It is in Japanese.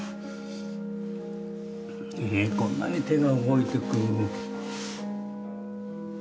こんなに手が動いてく。